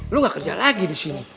lu gak kerja lagi di sini